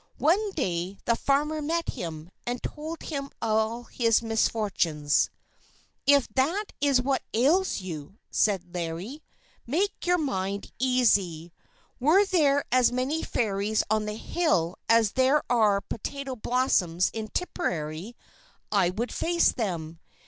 One day the farmer met him, and told him all his misfortunes. "If that is what ails you," said Larry, "make your mind easy. Were there as many Fairies on the hill as there are potato blossoms in Tipperary, I would face them.